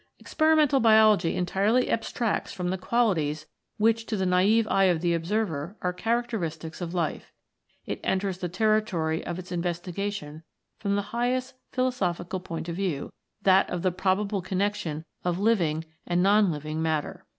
Experimental Biology entirely abstracts from the qualities which to the naive eye of the observer are characteristics of life. It enters the territory of its investigation from the highest philosophical point of view, that of the probable connection of living and non living matter.